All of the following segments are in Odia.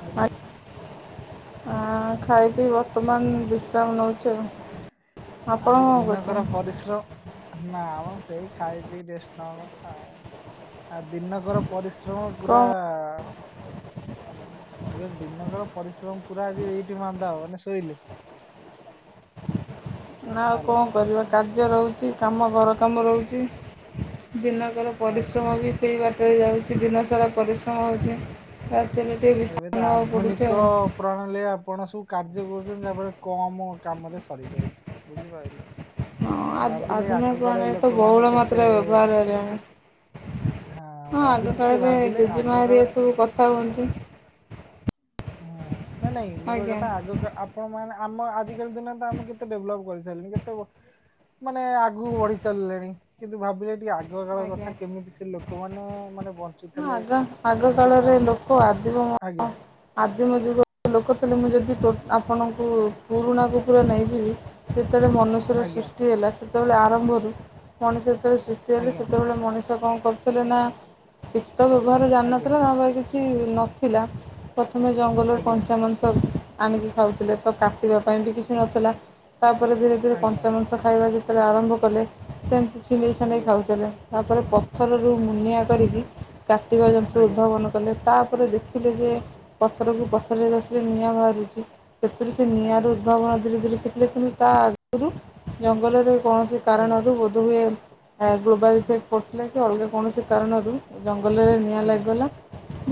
ଆଜ୍ଞା ଆ ଖାଇ ପି ବ ବର୍ତ୍ତମାନ ବିଶ୍ରାମ ନଉଚି ଆଉ ଆପଣ କଣ କରୁଚନ୍ତି? ମିଶ୍ର ନାଆ ମ ସେଇ ଖାଇ ପି ରେଷ୍ଟ ନବା କଥା ଆଉ ଆଉ ଦିନକର ପରିଶ୍ରମ କ'ଣ ପୁରା ମୁଁ କହିଲି ଦିନକର ପରିଶ୍ରମ ପୁରା ଆଜି ଏଇଠି ମାନ୍ଦା ହେବ ମାନେ ଶୋଇଲି। [inaudible] ନା ଆଉ ହାଲୋ। କଣ କରିବ କାର୍ଯ୍ୟ ରହୁଚି କାମ ଘର କାମ ରହୁଚି। ଦିନକର ଆଜ୍ଞା ପରିଶ୍ରମ ବି ଆଜ୍ଞା ସେଇ ବାଟରେ ଯାଉଛି ଦିନ ସାରା ପରିଶ୍ରମ ଆଜ୍ଞା। ହଉଛି ରାତିରେ ଟିକେ ବିଶ୍ରାମ ନେବାକୁ ପଡ଼ୁଚି ଆଉ। ନ ହେଲେ ଆପଣ ସବୁ କାର୍ଯ୍ୟ କରୁଛନ୍ତି ଯାହାଫଳରେ କମ କାମରେ ସରିଯାଉଛି ବୁଝିପାରିଲେ? ଆ ଭାବିଲେ ଆଧୁନିକ ଆଗ କାଳ ପ୍ରଣାଳୀ ତ ଲୋକମାନେ ବହୁଳ କେତେ ମାତ୍ରରେ ବ୍ୟବହାର ହେଲାଣି। ହଁ ଭାବି ଆଗ ଟିକେ କାଳରେ ଭାବିଲେ ଜେଜେମା ଆଗ କାଳ ହେରିକା ସବୁ କଥା ହୁଅନ୍ତି। ହୁଁ ନା ନାଇଁ ମୁଁ କହିଆ ଆଜ୍ଞା କଥା ଆଗ ଆପଣ ମାନେ ଆମ ଆଜିିକାଲି ଦିନ ଆ ତ ଆମେ କେତେ ଡେଭଲପ୍ କରିସାରିଲେଣି କେତେ ମାନେ ଆଗକୁ ବଢିଚାଲିଲେଣି କିନ୍ତୁ ଭାବିଲେ ଟିକେ ଆ ଆଗ କାଳ ଆଜ୍ଞା କଥା କେମିତି ସେ ଲୋକମାନେ ମାନେ ବ ଆଗ ଆଗ କାଳରେ ଲୋକ ଆଦିବ ମ ଆଜ୍ଞା ଆଦିମ ଯୁଗ ଲୋକ ଥିଲେ ମୁଁ ଯଦି ଆପଣଙ୍କୁ ପୁରୁଣା ଯୁଗରୁ ନେଇଯିବି। ଯେତେବେଳେ ମନୁଷ୍ୟ ଯେତେବେଳେ ଆଜ୍ଞା ସୃଷ୍ଟିହେଲା ସେତେବେଳେ ଆରମ୍ଭରୁ ମଣିଷ ଯେତେବେଳେ ସୃଷ୍ଟି ହେଲା ଆଜ୍ଞା ସେତେବେଳେ ମଣଷ ତ କଣ କରୁଥିଲେ ନା କିଛି ତ ବ୍ୟବହାର ଜାଣିନଥିଲା ତାପରେ କିଛି ନଥିଲା। ପ୍ରଥମେ ଜଙ୍ଗଲରୁ ଆଜ୍ଞା ଆଜ୍ଞା କଞ୍ଚା ମାଂସ ଆଣିକି ଖାଉଥିଲେ ତ କାଟିବା ପାଇଁ ବି କିଛି ନଥିଲା। ତାପରେ ଧୀରେ ଧୀରେ କଞ୍ଚା ମାଂସା ଖାଇବା ଯେତେବେଳେ ଆରମ୍ଭ କଲେ ସେମିତି ଛିଣ୍ଡେଇ ଛଣ୍ଡେଇ ଆଜ୍ଞା ଖାଉଥିଲେ। ତାପରେ ପଥରରୁ ମୁନିଆ କରିକି କାଟିବା ଜନ୍ତ୍ର ଉଦ୍ଭାବନ କଲେ ତାପରେ ଦେଖିଲେ ଯେ ପଥରକୁ ପଥରରେ ଗସିଲେ ନିଆଁ ବାହାରୁଛି। ସେଥିରୁ ସେ ଆଜ୍ଞା ନିଆଁର ଉଦ୍ଭାବନ ଧୀରେ ଧୀରେ ଶଖିଲେ କିନ୍ତୁ ତା ସେଥିରୁ ଜଙ୍ଗଲରେ କୌଣସି ଆଜ୍ଞା କାରଣରୁ ହୁଏ ଗ୍ଲୋବାଲ୍ ଇଫେକ୍ଟ ପଡ଼ୁଥିଲା କି ଅଲଗା କୌଣସି କାରଣରୁ ଜଙ୍ଗଲରେ ନିଆଁ ଆଜ୍ଞା ଆଜ୍ଞା ଲାଗିଗଲା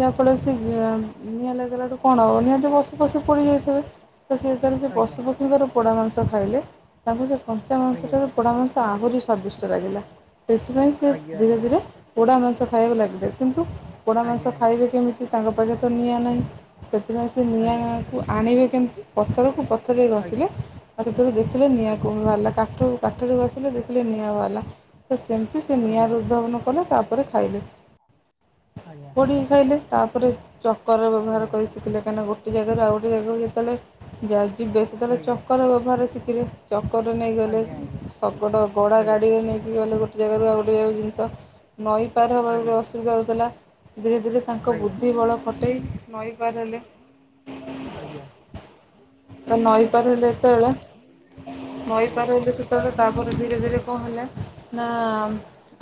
ଯାହାଫଳରେ ସେ ନିଆଁ ଲାଗିଗଲାଠୁ କଣ ହେବ ନିଆଁ ପଶୁ ପକ୍ଷୀ ପୋଡ଼ିଯାଇଥିବେ ତ ସେଇ ତାର ସେ ପଶୁ ଆଜ୍ଞା ଆଜ୍ଞା ପକ୍ଷୀଙ୍କର ପୋଡ଼ା ମାଂସ ଖାଇଲେ ତାଙ୍କୁ ସେ କଞ୍ଚା ଆଜ୍ଞା ଆଜ୍ଞା ଆଜ୍ଞା ମାଂସଠାରୁ ପୋଡ଼ା ମାଂସ ଆହୁରି ସ୍ଵାଦିଷ୍ଟ ଲାଗିଲା ସେଥିପାଇଁ ସେ ଧୀରେ ଧୀରେ ପୋଡ଼ା ମାଂସ ଖାଇବାକୁ ଲାଗିଲେ କିନ୍ତୁ ପୋଡ଼ା ମାଂସ ଖାଇବେ ଆଜ୍ଞା କେମିତି ସେ ତାଙ୍କ ପାଖରେ ତ ନିଆଁ ନାହିଁ ସେଥିପାଇଁ ସେ ଆଜ୍ଞା ଆଜ୍ଞା ଆଜ୍ଞା ଆଜ୍ଞା ଆଜ୍ଞା ଆଜ୍ଞା ଆଜ୍ଞା ଆଜ୍ଞା ନିଆଁକୁ ଆଣିବେ କେମିତି ପଥରକୁ ପ ପଥରରେ ଘସିଲେ ଆଉ ସେଥିରୁ ଦେଖିଲେ ନିଆଁ କୋଣରୁ ବାହାରିଲା ତାଠୁ କାଠରୁ ଘସିଲେ ଦେଖିଲେ ନିଆଁ ବାହାରିଲା ତ ସେମିତି ସେ ନିଆଁରେ ଉଦ୍ଭାବନ କଲେ ତାପରେ ଖାଇଲେ। ଆଜ୍ଞା। ପି ଖାଇଲେ ତାପରେ ଚକର ବ୍ୟବହାର ଆଜ୍ଞା କରି ଶିଖିଲେ କାନା ଗୋଟେ ଜାଗାରୁ ଆଉ ଗୋଟେ ଜାଗାକୁ ଯେତେବେଳେ ଯାଇ ଯିବେ ସେତେବେଳେ ଚକର ବ୍ୟବହାର ଶିଖିଲେ। ଚକରେ ନେଇ ଗଲେ ଆଜ୍ଞା ଆଜ୍ଞା ଶକଡ଼ ଗଡ଼ା ଆଜ୍ଞା ଗାଡ଼ିରେ ନେଇକି ଗଲେ ଗୋ ଜେଗାରୁ ଆଉ ଗୋଟେ ଜାଗା ଜିନିଷ ନଈ ପାର ଆଜ୍ଞା ହେବା ଅସୁବିଧା ହେଉଥିଲା ଧୀରେ ଧୀରେ ତାଙ୍କ ବୁଦ୍ଧି ବଳ ଖଟେଇ ନଈ ପାର ହେଲେ। ଆଜ୍ଞା ତ ନଈ ପାର ହେଲେ ଏତେବେଳେ ନଈ ଆଜ୍ଞା ପାର ହେଲେ ସେ କେତେ ବେଳେ ତାପରେ ଧୀରେ ଧୀରେ କଣ ହେଲେ ନା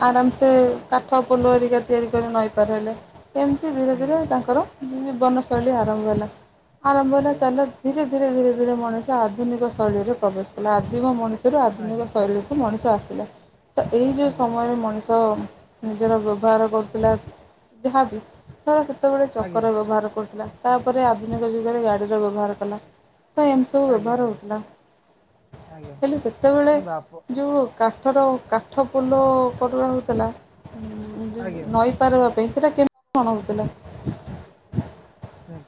ଆରାମସେ କା ପୋଲରିକା ତିଆରି କରି ନଈ ପାର ହେଲେ ଏମିତି ଧୀରେ ଆଜ୍ଞା ଧୀରେ ତାଙ୍କର ଜୀବନଶୈଳୀ ଆରମ୍ଭ ହେଲା ଆରମ୍ଭ ହେଲା ଆଜ୍ଞା ଚାଲ ଧୀରେ ଧୀରେ ଧୀରେ ଧୀରେ ମଣିଷ ଆଧୁନିକ ଶୈଳୀରେ ପ୍ରବେଶ କଲା ଆଦିମ ମଣିଷ ସେଥିରୁ ଆଧୁନିକ ଆଜ୍ଞା ଶୈଳୀ କୁ ମଣିଷ ଆସିଲା ତ ଏଇ ଯେଉଁ ଆଜ୍ଞା ଆଜ୍ଞା ସମୟରେ ମଣିଷ ନିଜର ବ୍ୟବହାର କରୁଥିଲା ଯାହାବି ଧର ସେତେବେଳେ ଆଜ୍ଞା ଚକର ବ୍ୟବହାର କରୁଥିଲା। ତା ପରେ ଆଧୁନିକ ଯୁଗରେ ଗାଡ଼ିର ବ୍ୟବହାର କଲା। ତ ଏମତି ସବୁ ଆଜ୍ଞା ଆଜ୍ଞା ବ୍ୟବହାର ଆଜ୍ଞା ହେଉଥିଲା ଆଜ୍ଞା ଆଜ୍ଞା ହେଲେ ସେତେ ବେଳେ ଶୁଣନ୍ତୁ ଆପ ଯୋଉ କାଠର କାଠ ପୋଲ କରୁବା ହେଉଥିଲା ଆଜ୍ଞା ନଈ ପାରିବା ପାଇଁ ସେଟା କେମିତି କଣ ହଉଥିଲା?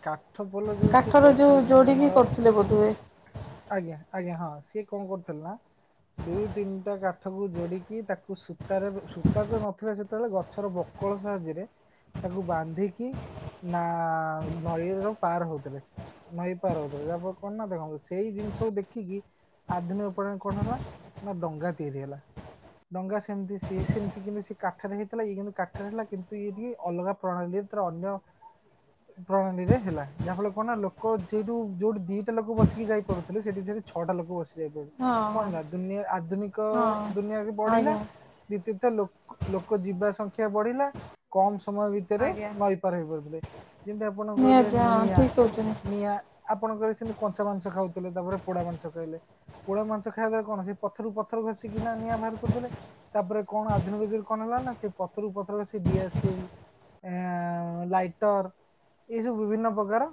କାଠ ପୋଲ ଯୋଉ ସିଏ କାଠର ଯେଉଁ କରୁଥିଲେ ଯେମିତି ଯୋଡ଼ିକି ଆମର କରୁଥିଲେ ବୋଧହୁଏ ଆଜ୍ଞା ଆଜ୍ଞା ହଁ ସିଏ କଣ କରୁଥିଲା। ଦୁଇ ତିନିଟା କାଠକୁ ଯୋଡିକି ତାକୁ ସୂତାରେ ସୂତା ତ ନଥିଲା ସେତେ ବେଳେ ଗଛର ବକ କଳ ସାହାଯ୍ୟରେ ତାକୁ ବାନ୍ଧିକି ନାଆ ଭୟ ର ପାର ହେଉଥିଲେ। ନଈ ପାର ହେଉଥିଲେ ଯାହା ପରେ କଣ ନା ଦେଖନ୍ତୁ ସେଇ ଜିନିଷକୁ ଦେଖିକି ଆଧୁନିକ ପରେ କଣ ହେଲା ନା ଡଙ୍ଗା ତିଆରି ହେଲା। ଡଙ୍ଗା ସେମିତି ସିଏ ସେମିତି କିନ୍ତୁ ସିଏ କାଠରେ ହେଇଥିଲା ଇଏ କିନ୍ତୁ କାଠରେ ହେଲା କିନ୍ତୁ ଇଏ ଟିକେ ଅଲଗା ପ୍ରଣାଳୀରେ ତାର ଅନ୍ୟ ପ୍ରଣାଳୀ ରେ ହେଲା ଯାହା ଫଳ ରେ କଣ ନା ଲୋକ ଜେଇଠୁ ଯୋଉଠି ଦିଟା ଲୋକ ବସିକି ଯାଇ ପାରୁଥିଲେ ସେଠି ସେଠି ଛଅଟା ଲୋକ ବସି ଯାଇପାରିବେ ହଁ କଣ ହେଲା ହଁ ଦୁନିଆଁ ଆଧୁନିକ ହଁ। ଦୁନିଆଁ ରେ ବଢିଲା ଆଜ୍ଞା ବିତିତ ଲୋକ ଲୋକ ଯିବା ସଂଖ୍ୟା ବଢିଲା କମ୍ ସମୟ ଭି ତେବେ ଆଜ୍ଞା ନଈପାର ହେଇ ପାରୁଥିଲେ ଯେମିତି ଆପଣ କହିଲେ ନିହାତି ହଁ ନିଆଁ ଠିକ୍ କହୁଛନ୍ତି ନିଆଁ। ଆପଣଙ୍କର ସେମତି କଞ୍ଚା ମାଂସ ଖାଉଥିଲେ ତାପରେ ପୋଡା ମାଂସ ଖାଇଲେ। ପୋଡ ମାଂସ ଖାଇବା ଦ୍ଵାରା କଣ ସେ ପଥରରୁ ପଥର ଘଷିକି ନା ନିଆଁ ବାହାର କରୁଥିଲେ। ତାପରେ କଣ ଆଧୁନିକ ଯୁଗ କଣ ହେଲା ନା ସେ ପଥରରୁ ପଥର ଘଷି ଡିଆସିଲ୍ ଆଁ ଲାଇଟର। ଏଇ ସବୁ ବିଭିନ୍ନ ପ୍ରକାର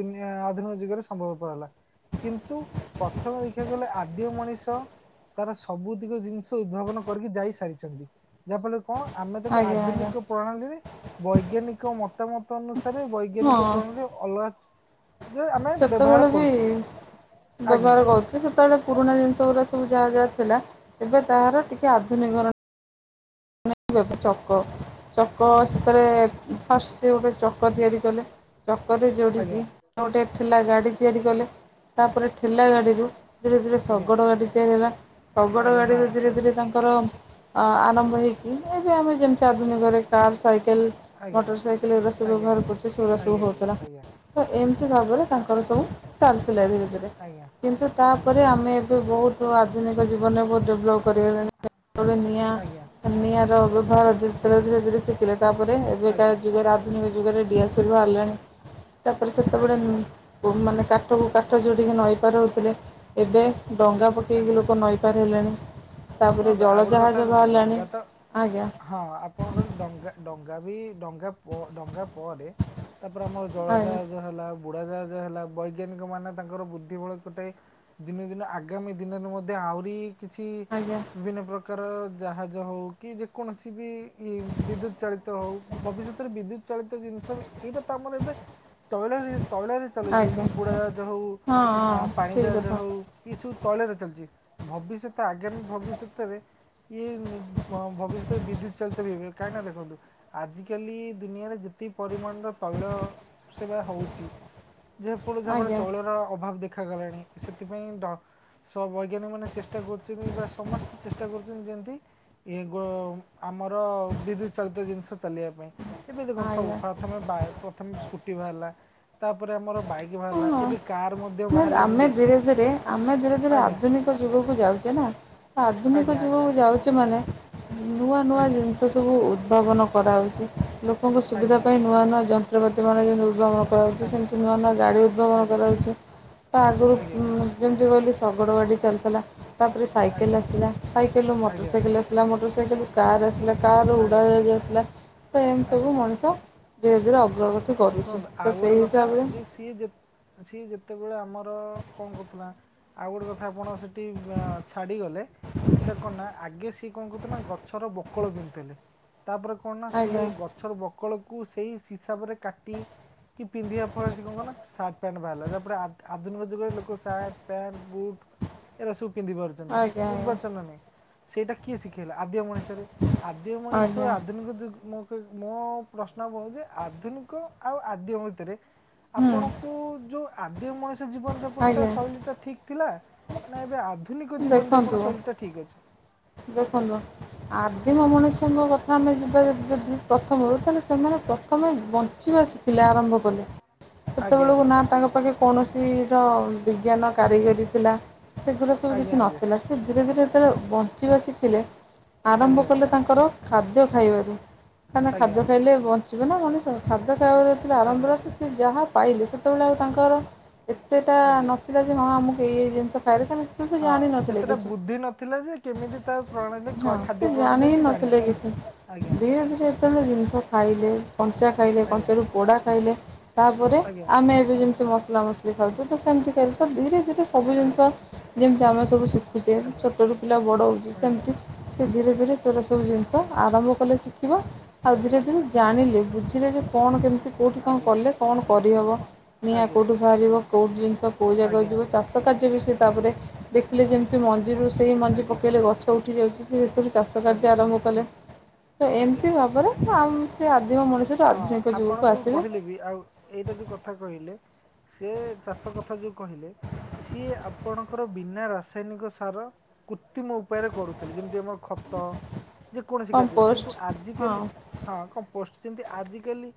ଦୁନିଆଁ ଆଧୁନିକ ଯୁଗରେ ସମ୍ଭବପର ହେଲା। କିନ୍ତୁ ପ୍ରଥମେ ଦେଖିବାକୁ ଗଲେ ଆଦିମ ମଣିଷ। ତାର ସବୁତିକ ଜିନିଷ ଉଦ୍ଭାବନ କରିକି ଯାଇ ସାରିଛନ୍ତି ଯାହାଫଳରେ କଣ ଆମେ ତାକୁ ଆଜ୍ଞା ଆଜ୍ଞା ଆଧୁନିକ ପ୍ରଣାଳୀରେ ବୈଜ୍ଞାନିକ ମତାମତ ଅନୁସାରେ ବୈ ବୈଜ୍ଞାନିକ ହଁ ପ୍ରଣାଳୀରେ ଅଲଗା ଆମେ ବ୍ୟବହାର ସେତେବେଳେ ବି କରୁଚେ ଆଜ୍ଞା। ବ୍ୟବହାର କରୁଛି ସେତେବେଳେ ପୁରୁଣା ଜିନିଷ ଗୁଡା ସବୁ ଯାହା ଯାହା ଥିଲା ଏବେ ତାହାର ଟିକେ ଆଧୁନିକରଣ ଚକ ଚକ ସେଥିରେ ଫାଷ୍ଟ ସେ ଗୋଟେ ଚକ ତିଆରି କଲେ ଚକରେ ଯୋଡିକି ଆଜ୍ଞା ଗୋଟେ ଠେଲା ଗାଡି ତିଆରି କଲେ। ତାପରେ ଠେଲା ଗାଡି, ଧୀରେ, ଧୀରେ ଆଜ୍ଞା ଶଗଡ଼ ଗାଡ଼ି ତିଆରି ହେଲା। ଶଗଡ଼ ଆଜ୍ଞା ହଁ ଗାଡ଼ିରେ ଧୀରେ, ଧୀରେ ତାଙ୍କର, ଆ, ଆରମ୍ଭ ହେଇକି, ଏବେ ଆମେ ଯେମତି, ସେ ଆଧୁନିକରେ କାର୍, ସାଇକେଲ, ଆଜ୍ଞା ମୋଟର ସାଇକେଲ, ଏଗୁଡା ସବୁ ଆଜ୍ଞା ବ୍ୟବହାର କରୁଚେ, ସେଗୁଡା ସବୁ ଆଜ୍ଞା ଆଜ୍ଞା ହେଉଥିଲା। ଆଜ୍ଞା ହଁ, ଏମିତି ଆଜ୍ଞା ଭାବରେ ତା, ର ସବୁ ଚାଲିଥିଲା ଧୀରେ, ଧୀରେ, ଆଜ୍ଞା କିନ୍ତୁ ଆଜ୍ଞା ତାପରେ, ଆମେ ଏବେ ବହୁତ, ତୁ ଆଧୁନିକ ଜୀବନରେ ବହୁତ ଡେଭଲପ୍ କରିଗଲେଣି। ନିଆଁ, ଆଜ୍ଞା ନିିଆଁ ର ବ୍ୟବହାର, ଯେତେବେଳେ ଧୀରେ, ଧୀରେ ଶିଖିଲେ। ତାପରେ ଆଜ୍ଞା ଏବେକା ଆଜ୍ଞା ଯୁଗରେ, ଯୁଗ ରେ ଦିଆସିଲି ବାହାରିଲାଣି। ତାପ ରେ ଆଜ୍ଞା ସେତେବେଳ, ଆଜ୍ଞା ଆଜ୍ଞା ବୋହୂମାନେ କାଠକୁ, କାଠ ଯୋଡିକି ନଈପାରହେଉଥିଲେ, ଏବେ ଡଙ୍ଗା ପକେଇକି ଆଜ୍ଞା ଲୋକ ନଈପାର ହେଲେଣି। ତା ପରେ ଶୁଣନ୍ତୁ ଆଉ ଜଳ ଗୋଟେ କଥା ଜାହାଜ ଶୁଣ ଡଙ୍ଗା ବାହାରିଲାଣି। ତ ଆଜ୍ଞା ହଁ, ଆପଣଙ୍କର ଡଙ୍ଗା, ଡଙ୍ଗା ବି ଡଙ୍ଗା, ଡଙ୍ଗା, ପରେ, ତାପରେ ଆମର ଜଳ ଆଜ୍ଞା ଜାହାଜ ହେଲା। ଉଢାଜାହାଜ ହେଲା। ବୈଜ୍ଞାନିକ ମାନେ, ତାଙ୍କର ବୁଦ୍ଧି ବଳ ଖଟାଇ ଦିନ, ଦିନ ଆଗ, ଆଗାମୀ ଦିନରେ ମଧ୍ୟ, ଆହୁରି କିଛି ଆଜ୍ଞା ବିଭିନ୍ନ ପ୍ରକାର, ପ୍ରକାର ର ଜାହାଜ ହଉ କି, ଯେ କୌଣସି ବି ବିଦ୍ୟୁତ ଚାଳିତ ହଉ, ଭବିଷ୍ୟତରେ ବିଦ୍ୟୁତ, ଚାଳିତ ଜିନିଷ ବି, ଏଇଟା ତ ଆମର ଏବେ, ତୈଳରେ ତୈଳରେ ଚଲେ ଯେମିତି ଆଜ୍ଞା ବୁଡା ଜାହାଜ ହଉ ହଁ ଆ ହଁ ପାଣି ଠିକ୍ ଜାହାଜ କଥା ହଉ ଏସବୁ ତୈଳରେ ଚାଲିଛି ଭବିଷ୍ୟତ ଆଗାମୀ ଭବିଷ୍ୟତରେ ଇଏ ଭବିଷ୍ୟତରେ ବିଦ୍ୟୁତ୍ ଚାଳିତ ବି କାହିଁକି ନା ଦେଖନ୍ତୁ। ଆଜିକାଲି ଦୁନିଆରେ ଯେତକ ପରିମାଣର ତୈଳ ସେବା ହଉଛି। ଯେପଟ ଆଜ୍ଞା ତୈଳର ଅଭାବ ଦେଖାଗଲାଣି ସେଥିପାଇଁ ସ ବୈଜ୍ଞାନିକ ମାନେ ଚେଷ୍ଟା କରୁଛନ୍ତି ବା ସମସ୍ତେ ଚେଷ୍ଟା କରୁଛନ୍ତି ଯେମତି ଏଗ ଆମର ବିଦ୍ୟୁତ ଚାଳିତ ଜିନିଷ ଚାଲିବା ପାଇଁ। ଏମିତି କ ସବୁ ଆଜ୍ଞା ପ୍ରଥମେ ପ୍ରଥମେ ସ୍କୁଟି ବାହାରିଲା ତାପରେ ଆମର ବାଇକ୍ ବାହାରିଲା ହଁ ଏବେ କାର ମଧ୍ୟ ନା ବାହାରିଲେଣି ଆମେ ଯେ। ଧୀରେ ଆମେ ଧୀରେ ଧୀରେ ଆଜ୍ଞା ଆଧୁନିକ ଯୁଗକୁ ଯାଉଛେ ନା ଆଧୁନିକ ଆଜ୍ଞା ଆଜ୍ଞା ଯୁଗକୁ ଯାଉଛେ ମାନେ ନୂଆ ନୂଆ ଆଜ୍ଞା ଜିନିଷ ସବୁ ଉଦ୍ଭାବନ କରାହଉଛି। ଲୋକଙ୍କ ସୁବିଧା ଆଜ୍ଞା ପାଇଁ ନୂଆ ନୂଆ ଯନ୍ତ୍ରପାତି ମାନ ଯେମିତି ଉଦ୍ଭମନ କରାଯାଉଛି ଆଜ୍ଞା ସେମିତି ନୂଆ ନୂଆ ଗାଡ଼ି ଉଦ୍ଭାବନ ଆଜ୍ଞା ଆଜ୍ଞା କରାଯାଉଛି ତା ଆଗରୁ ଆଜ୍ଞା ଯେମିତି କହିଲି ଶଗଡ଼ ଗାଡ଼ି ଚାଲି ଥିଲା। ତାପରେ ସାଇକେଲ ଆଜ୍ଞା ଆସିଲା ସାଇକେଲରୁ ମୋଟର ଆଜ୍ଞା ଆଜ୍ଞା ସାଇକେଲ ଆସିଲା ମୋଟର ସାଇକେଲରୁ କାର୍ ଆସିଲା। ରୁ ଆଜ୍ଞା ଉଡ଼ା ଆଜ୍ଞା ଜାହାଜ ଆଜ୍ଞା ଆସିଲଥିଲା ତ ଏମିତି ସବୁ ଆଜ୍ଞା ମଣିଷ ଧୀରେ ଧୀରେ ଅଗ୍ରଗତ ସେ କରୁଛି ଶୁଣନ୍ତୁ ଆଉ ତ ଗୋଟେ ସେଇ କଥା ହିସାବରେ। ଯେ ସିଏ ଯେ ସିଏ ଯେତେବେଳେ ଆମର କଣ କରୁଥିଲା ଆଉ ଗୋଟେ କଥା ଆପଣ ସେ ଛାଡି ଗଲେ ସେଟା କଣ ନା ଆଗେ କଣ କହନ୍ତୁନା ଗଛର ବକଳ ବିନ୍ଧୁଥିଲେ ତାପରେ କଣ ନା ସିଏ ଆଜ୍ଞା ସବୁ ବକଳକୁ ସେଇ ହିସାବରେ କାଟି କି ପିନ୍ଧିବା ଫଳରେ ସେ କଣ କହ ନା ସାର୍ଟ ପ୍ୟାଣ୍ଟ ବାହାରିଲା ତାପରେ ଆଧୁନିକ ଯୁଗରେ ଲୋକ ସାର୍ଟ ପ୍ୟାଣ୍ଟ ବୁଟ ଏଟ ସବୁ ପିନ୍ଧି ପାରୁ ଆଜ୍ଞା ଆଜ୍ଞା ବୁଝିପାରୁ ଚ ନା ନାଇଁ ସେଇଟା କିଏ ଶିଖେଇଲା ଆଦ୍ୟ ମଣିଷରେ। ଆଦ୍ୟ ମଣିଷ ଆଜ୍ଞା ଆଧୁନିକ ଯୁ ମୋ ପ୍ରଶ୍ନ ଯେ ଆଧୁନିକ ଆଉ ଆଦ୍ୟ ଭିତରେ ହୁଁ ଆପଣଙ୍କୁ ଯୋଉ ଆଦ୍ୟ ମଣିଷ ଜୀବନ ଯାପନ ଟା ଆଜ୍ଞା ଶୈଳୀ ଟା ଠିକ ଥିଲା ନା ଏବେ ଆଧୁନିକ ଜୀବନ ଦେଖନ୍ତୁ ଯାପନ ଶୈଳୀ ଟା ଠିକ ଅଛି। ଦେଖନ୍ତୁ ଆଦିମ ମନୁଷ୍ୟଙ୍କ କଥା ଆମେ ଯିବା ଯଦି ପ୍ରଥମରୁ ତାହେଲେ ସେମାନେ ପ୍ରଥମେ ବଞ୍ଚିବା ଶିକ୍ଷ। ପିଲା ଆରମ୍ଭ କଲେ ସେତେବେଳକୁ ଆଜ୍ଞା ନା ତାଙ୍କ ପାଖେ କୌଣସିର ବିଜ୍ଞାନ କାରିଗରିୀ ଥିଲା ସେଗୁଡ଼ା ସବୁ ଆଜ୍ଞା କିଛି ଆଜ୍ଞା ନଥିଲା। ସେ ଧୀରେ ଧୀରେ ଯେତେଳେ ବଞ୍ଚିବା ଶିଖିଲେ ଆରମ୍ଭ କଲେ ଆଜ୍ଞା ଆଜ୍ଞା ତାଙ୍କର ଖାଦ୍ୟ ଖାଇବାରୁ କାହିଁକିନା ଆଜ୍ଞା ଖାଦ୍ୟ ଖାଇଲେ ବଞ୍ଚିବେ ନା ମଣିଷ ଖାଦ୍ୟ ଆଜ୍ଞା ଆଜ୍ଞା ଆଜ୍ଞା ଖାଇବାରୁ ଯାହା ପାଇଲେ ସେତେବେଳେ ଆଉ ତାଙ୍କାର ଏତଟା ଆଜ୍ଞା ନଥିଲା। ହଁ ଆମକୁ ଏଇ ଏଇ ଜିନିଷ ଖାଇବାର ଅଛି। ଆମେ ହଁ ସେତେଟା ବୁଦ୍ଧି ନଥିଲା ଯେ କେମିତି ତାକୁ ପ୍ରଣା ହଁ ସେ ଜାଣି ହିଁ ନଥିଲେ କିଛି। ଆଜ୍ଞା ଧୀରେ ଧୀରେ ଯେତେବେଳେ ଜିନିଷ ଖାଇଲେ କଞ୍ଚା ଖାଇଲେ ଆଜ୍ଞା କଞ୍ଚାରୁ ପୋଡା ଖାଇଲେ ତାପରେ ଆଜ୍ଞା ଆମେ ଏବେ ଯେମିତି ମସଲା ମସ ଲି ଖାଉଚେ ତ ସେମିତି ଖାଇ ତ ଧୀରେ ଧୀରେ ସବୁ ଆଜ୍ଞା ଜିନିଷ ଯେମିତି ଆମେ ସବୁ ଶିଖୁଚେ ଆଜ୍ଞା ଛୋଟରୁ ପିଲା ଲା ବଡ ହୋଉଚି ସେମିତି ସେ ଧୀରେ ଧୀରେ ସେରା ସବୁ ଜିନିଷ ଆରମ୍ଭ କଲେ ଶିଖିବ। ଆଉ ଧୀରେ ଧୀରେ ଜାଣିଲେ ବୁଝିଲେ ଯେ କଣ କେମିତି କୋଉଠି ଆଜ୍ଞା କଣ ଆଜ୍ଞା କଲେ କଣ କରି ହବ। ନିଆଁ ଆଜ୍ଞା କୋଉଠୁ ବାହାରିବ କୋଉ ଜିନିଷ କଉ ଜାଗା ଯିବ ଆଜ୍ଞା ଚାଷ କାର୍ଯ୍ୟ ବି ସେ ତାପରେ ଦେଖିଲେ ଯେମିତି ମଞ୍ଜିରୁ ସେଇ ମଞ୍ଜି ଆଜ୍ଞା ପକେଇଲେ ଗଛ ଉଠି ଯାଉଚି ସେ ସେତେବେଳେ ଚାଷ କାର୍ଯ୍ୟ ଆଜ୍ଞା ଆଜ୍ଞା ଆରମ୍ଭ କଲେ ତ ଆଜ୍ଞା ଏମିତି ଭାବରେ ଆମ ସେ ଆଦିମ ମଣିଷ ହଁ ଆପଣ ଯୋଉ କହିଲେ ବି ଆଉ ଏଇଟା ଯୋଉ କଥା କହିଲେ। ସେ ଚାଷ କଥା ଯୋଉ କହିଲେ। ସିଏ ଆପଣଙ୍କର ବିନା ରାସାୟନିକ ସାର କୃତିମ ଉପାୟରେ କରୁଥିଲି ଯେମିତି ଆମର ଖତ ଯେ କୌଣସି କାର୍ଯ୍ୟରେ କିନ୍ତୁ କମ୍ପୋଷ୍ଟ ହଁ ଆଜିକାଲି ହଁ କମ୍ପୋଷ୍ଟ ସେମିତି ଆଜିକାଲି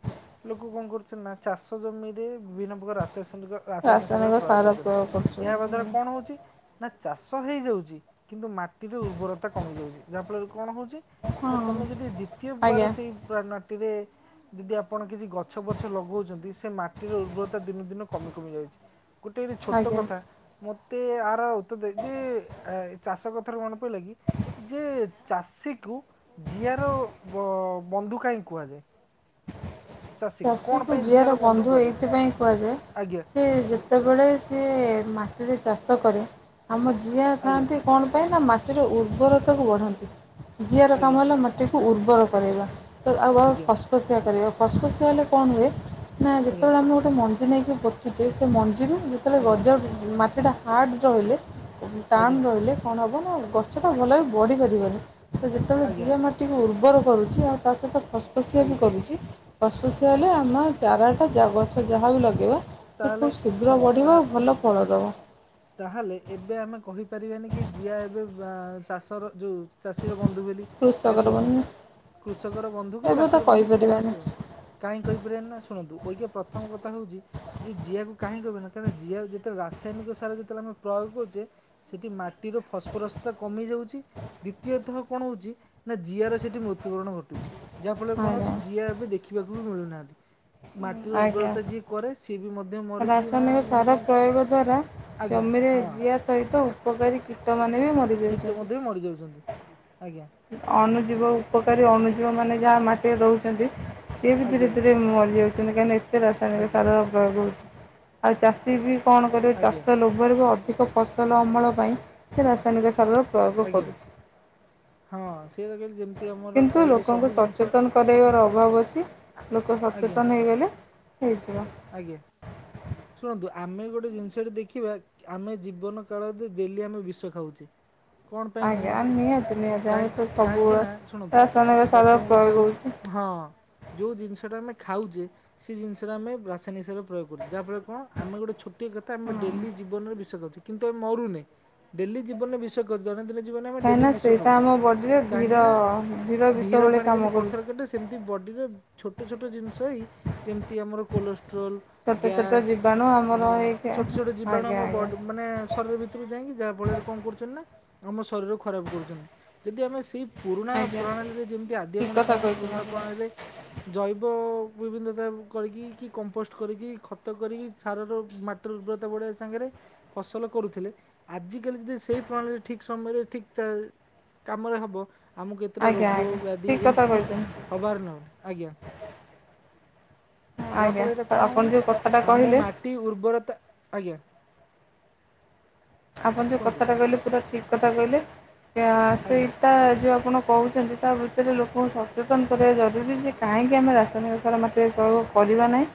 ଲୋକ କଣ କରୁଚନ୍ତି ନା ଚାଷ ଜମିରେ ବିଭିନ୍ନ ପ୍ରକାର ରାସାସୟନିକ ରାସାୟନିକ ସାରରେ ପ୍ରୟୋଗ କରୁଚନ୍ତି। ଏହା ହବାଦ୍ୱାରା କଣ ହୋଉଚି। ନା ଚାଷ ହେଇଯାଉଚି କିନ୍ତୁ ମାଟିର ଉର୍ବରତା କମି ଯାଉଚି ଯାହାଫଳରେ କଣ ହୋଉଚି। ହଁ ନା ତମେ ଯଦି ଦ୍ଵିତୀୟ ବାର ଆଜ୍ଞା ସେଇ ପ୍ରଣାଟିରେ ଯଦି ଆପଣ କିଛି ଗଛ ଫଛ ଲଗୋଉଚନ୍ତି। ସେ ମାଟିର ଉର୍ବରତା ଦିନକୁ ଦିନ କମି କମି ଯାଉଚି। ଗୋଟେ ଏଇଠି ଛୋଟ ଆଜ୍ଞା କଥା। ମତେ ଆର ତେ ତ ଯେ ଚାଷ କଥାରୁ ମନେ ପ‌ଇଲା କି ଯେ ଚାଷୀକୁ ଜିଆର ବ-ବନ୍ଧୁ କାହିଁକି କୁହାଯାଏ। ଚାଷୀକୁ କ'ଣ ଚାଷୀଙ୍କୁ ପାଇଁ ଯିଆର ଜିଆର ବନ୍ଧୁ କୁହାଯାଏ ଏଇଥିପାଇଁ କୁହାଯାଏ। ଆଜ୍ଞା ଯେ ଯେ ତେବେଳେ ସିଏ ମାଟିରେ ଚାଷ କରେ ଆମ ଜିଆ ଆଜ୍ଞା ଥାଆନ୍ତି। କଣ ପାଇଁ ନା ମାଟିର ଉର୍ବରତାକୁ ବଢାନ୍ତି। ଜିଆର ଆଜ୍ଞା କାମ ହେଲା ମା ଟିକୁ ଉର୍ବର କରାଇବା ତ ଆଉ ଆଉ ଆଜ୍ଞା ଫସଫସିଆ କରିବା ଫସଫସିଆ ହେଲେ କଣ ହୁଏ। ନା ଯେତେବେଳେ ଆମେ ଗୋଟେ ମଞ୍ଜି ନେଇକି ପୋତୁଚେ ସେ ମଞ୍ଜିରୁ ଯେତେବେଳେ ଆଜ୍ଞା ଗଜା ଉଠିବ ମାଟିଟା ହାର୍ଡ଼ ରହିଲେ [unintelligible] ଟାଣ ଆଜ୍ଞା ଆଜ୍ଞା ରହିଲେ। କଣ ହବ ନା ଗଛଟା ଭଲରେ ବଢି ପାରିବନି ତ ଯେତେବେଳେ ଆଜ୍ଞା ଜିଆ ଆଜ୍ଞା ଆଜ୍ଞା ମାଟିକୁ ଉର୍ବର କରୁଚି ଆଉ ତା ସହିତ ଫସଫସିଆ ବି ଆଜ୍ଞା କରୁଚି। ଫସଫସିଆ ହେଲେ ଆଜ୍ଞା ଆମ ଚାରାଟା ଯା ଗଛ ଯାହା ବି ଲଗେଇବା ସେ ତାହେଲେ ଖୁବ୍ ଶୀଘ୍ର ଶୁଣନ୍ତୁ ବଢିବ ତାହା ଆଉ ଭଲ ଫଳ ଦବ। ତାହେଲେ ଏବେ ଆମେ କହିପାରିବାନି କି ଜିଆ ଏବେ ବା ଚାଷର ଯୋଉ ଚାଷୀର ବନ୍ଧୁ ବୋଲି। କାହିଁକି ନା କୃଷକର ଦେଖନ୍ତୁ ମାନେ କୃଷକର ବନ୍ଧୁ କି ଏବେ ତ ଚାଷୀର ବନ୍ଧୁ ଯେକୌଣସି କହିପାରିବାନି ବି ହୋଉ। କାହିଁ କହିପାରିବାନି ନା ଶୁଣନ୍ତୁ ଓଇକିୟୋ ପ୍ରଥମ କଥା ହୋଉଚି। ଯିଏ ଜିଆକୁ କାହିଁ କହିପାରୁନ କାହିଁକି ଜିଆ ଯେତେବେ ରାସାୟନିକ ସାର ଯେତେବେଳେ ଆମେ ପ୍ରୟୋଗ କରୁଚେ। ସେଠି ମାଟିରୁ ଫସଫରସତା କମି ଯାଉଚି। ଦ୍ଵିତୀୟତଃ କଣ ହୋଉଚି ନା ଜିଆର ସେଠି ମୃତ୍ୟୁବରଣ ଘଟୁଚି। ଯାହା ଫଳରେ କଣ ଆଜ୍ଞା ହୋଉଚି। ଜିଆ ଏବେ ଦେଖିବାକୁ ବି ମିଳୁନାହାନ୍ତି। ମାଟିର ଆଜ୍ଞା ଉର୍ବରତା ଯିଏ କରେ ସିଏ ବି ମଧ୍ୟ ମରିକିନା ରାସାୟନିକ ସାର ମାନେ ପ୍ରୟୋଗ ଦ୍ଵାରା ଆଜ୍ଞା ଜମିରେ ହଁ। ଜିଆ ସହିତ ଉପକାରୀ କୀଟମାନେ ବି ମରି କୀଟ ମଧ୍ୟ ମରି ଯାଉଚନ୍ତି ଆଜ୍ଞା। ଅଣୁଜୀବ ଉପକାରୀ ଅଣୁଜୀବ ମାନେ ଯାହା ମାଟିରେ ରହୁଚନ୍ତି। ସିଏ ବି ଆଜ୍ଞା ଧୀରେ ଆଜ୍ଞା ଧୀରେ ମରିଯାଉଚନ୍ତି କାହିଁକିନା ଏତେ ରାସାୟନିକ ଆଜ୍ଞା ସାର ପ୍ରୟୋଗ ହୋଉଚି। ଆଉ ଚାଷୀ ବି କଣ କରିବ ଆଜ୍ଞା ଚାଷ ଲୋ ଭରେ ଅଧିକ ଫସଲ ଅମଳ ପାଇଁ ସେ ରାସାୟନିକ ସାରର ପ୍ରୟୋଗ ଆଜ୍ଞା କରୁଛି। ହଁ ସେଇଆ ତ କହିଲେ ଯେମି କିନ୍ତୁ ଲୋକଙ୍କୁ ସଚେତନ କରାଇବାର ଅଭାବ ଅଛି। ଲୋକ ଆଜ୍ଞା ସଚେତନ ହେଇଗଲେ ହେଇଯିବ। ଆଜ୍ଞା ଶୁଣନ୍ତୁ ଆମେ ଗୋଟେ ଜିନିଷ ଟେ ଦେଖିବା। ଆମେ ଜୀବନ କାଳ ଭିତରେ ଡେଲି ଆମେ ବିଷ ଖାଉଛେ। କଣ ପାଇଁ ଆଜ୍ଞା କୁହନ୍ତୁ? ନିହାତି ନିହାତି ଆମେ କାହିଁ ତ କାହିଁକି ସବୁବେଳେ ନା ଶୁଣନ୍ତୁ ରାସାୟନିକ ସାର ପ୍ରଥମ କଥା ପ୍ରୟୋଗ ହେଉଛି ହଉଛି ହଁ ଯେଉଁ ଜିନିଷ ଟା ଆମେ ଖାଉଛେ ସେ ଜିନିଷଟା ଆମେ ରାସାୟନିକ ସାର ପ୍ରୟୋଗ କରୁଛେ। ଯାହାଫଳରେ କଣ ଆମେ ଗୋଟିଏ ଛୋଟିଆ କଥା ଆମେ ହଁ ଡେଲି ଜୀବନରେ ବିଷ ଖାଉଛେ। କିନ୍ତୁ ଆମେ ମରୁନେ ଡେଲି ଜୀବନରେ ବିଷ ଜଣେ ଦିନେ ଜୀବନରେ ଡେଲି କାହିଁକିନା ବିଷ ସେଇଟା ଖାଉଛେ ଆମ ବଡ଼ିରେ ଧୀର କାହିଁକିନା ବିଷ ଧୀର ଭଳି ପାଣି ଜୀମିତି କାମ ପଥର କରୁଛି କାଟେ ସେମିତି ବଡ଼ିରେ ଛୋଟ ଛୋଟ ଜିନିଷ ହେଇ ଯେମିତି ଆମର କୋଲୋଷ୍ଟ୍ରୋର ଛୋଟ ଛୋଟ ଗ୍ୟାସ୍ ଜୀବାଣୁ ଆଁ ଆମର ହେଇକି ଛୋଟ ଛୋଟ ଜୀବାଣୁ ଆମ ଆଜ୍ଞା ବ ଆଜ୍ଞା ମାନେ ଶରୀର ଭିତ ଭିତରକୁ ଯାଇକି ଯାହା ଫଳରେ କଣ କରୁଛନ୍ତି ନା ଆମ ଶରୀର କୁ ଖରାପ କରୁଛନ୍ତି। ଯଦି ଆମେ ସେଇ ପୁରୁଣା ଆଜ୍ଞା ପ୍ରଣାଳୀରେ ଯେମିତି ଆଦିମ ଠିକ୍ କଥା ମଣିଷମାନେ କହିଛନ୍ତି ପୁରୁଣା ଆପଣ ପ୍ରଣାଳୀରେ ଜୈବ ବିଭିଦତା କରିକି କି କମ୍ପୋଷ୍ଟ କରିକି ଖତ କରିକି ସାରର ମାଟିର ଉର୍ବରତା ବଢ଼ାଇବା ସାଙ୍ଗରେ ଫସଲ କରୁଥିଲେ ଆଜିକାଲି ଯଦି ସେଇ ପ୍ରଣାଳୀରେ ଠିକ୍ ସମୟରେ ଠିକ୍ ଚା କାମରେ ହବ ଆମକୁ ଏତେଟା ଆଜ୍ଞା ରୋଗ ଆଜ୍ଞା ବ୍ୟାଧି ଠିକ୍ କଥା ଏମିତି କହିଛନ୍ତି ହବାର ନାହିଁ ଆଜ୍ଞା। ଆଜ୍ଞା ଯାହାଫଳରେ କଣ ଆପଣ ହବନା ଯେଉଁ କଥାଟା ଆମ କହିଲେ ମାଟି ଉର୍ବରତା ଆଜ୍ଞା। ଆପଣ ଯେଉଁ କୁହନ୍ତୁ କଥାଟା କହିଲେ ପୁରା ଠିକ୍ କଥା କହିଲେ ଯା ସେଇ ଆଜ୍ଞା ତା ଯୁ ଆପଣ କହୁଛନ୍ତି ତା ଭିତରେ ଲୋକଙ୍କୁ ସଚେତନ କରିବା ଜରୁରୀ ଯେ କାହିଁକି ଆମେ ରାସାୟନିକ ସାର ମା ସେ ସବୁ କରିବା ନାହିଁ।